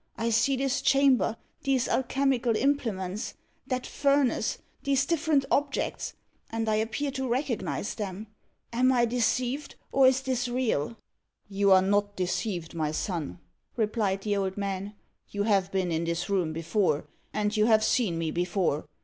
I see this chamber these alchemical implements that furnace these different objects and I appear to recognise them. Am I deceived, or is this real?" "You are not deceived, my son," replied the old man. "You have been in this room before, and you have seen me before.